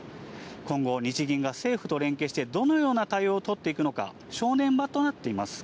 今後、日銀が政府と連携してどのような対応を取っていくのか、正念場となっています。